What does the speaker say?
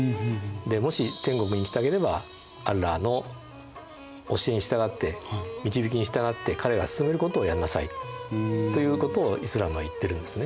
もし天国にいきたければアッラーの教えに従って導きに従って彼が勧めることをやんなさいということをイスラームはいってるんですね。